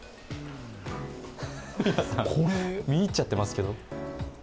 見入っちゃってますけど。